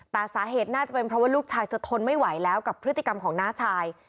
แต่สาเหตุน่าจะเป็นเพราะว่าลูกชายเธอทนไม่ไหวแล้วกับพฤติกรรมของน้าชาย